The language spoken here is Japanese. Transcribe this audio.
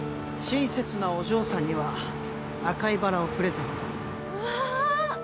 親切なお嬢さんには赤いバラをプレゼントわあー！